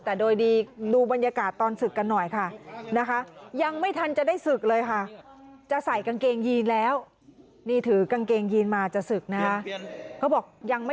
แต่โดยดีดูบรรยากาศตอนศึกกันหน่อยค่ะนะคะ